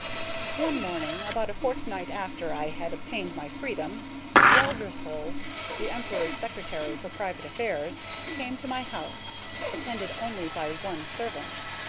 One morning, about a fortnight after I had obtained my freedom, Reldresal, the Emperor's secretary for private affairs, came to my house, attended only by one servant.